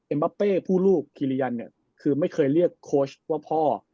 บาเป้ผู้ลูกคิริยันเนี่ยคือไม่เคยเรียกโค้ชว่าพ่อ